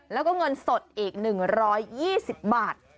แล้วก็เงินสดอีก๑๒๐บาท